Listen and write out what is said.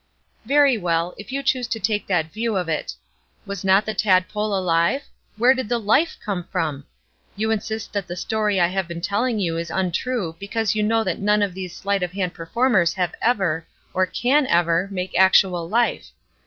"Very well, if you choose to take that view of it. Was not the tadpole alive? Where did the life come from? You insist that the story I have been telling you is untrue because you know that none of these sleight of hand performers have ever, or can ever make actual life!